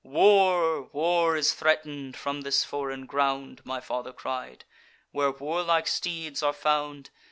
'War, war is threaten'd from this foreign ground,' My father cried, 'where warlike steeds are found.